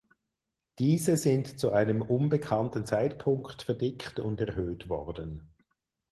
Diese sind zu einem unbekannten Zeitpunkt verdickt und erhöht worden.